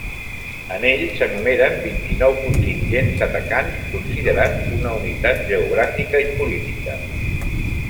En ell s'enumeren vint-i-nou contingents atacants considerats una unitat geogràfica i política.